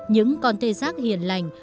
những con tê giác hiền lành